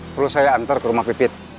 terus saya antar ke rumah pipit